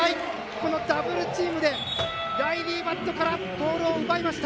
このダブルチームでライリー・バットからボールを奪いました。